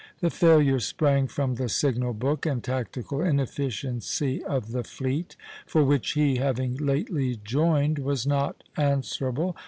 The failure sprang from the signal book and tactical inefficiency of the fleet; for which he, having lately joined, was not answerable.